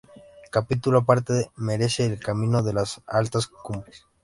Capítulo aparte merece el camino de las altas cumbres.